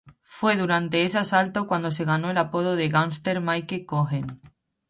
Fue durante ese asalto cuando se ganó el apodo de "gángster Mickey Cohen".